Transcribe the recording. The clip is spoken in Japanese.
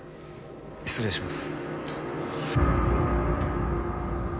失礼します。